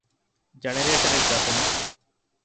ޖަނަރޭޓަރެއް ގަތުމަށް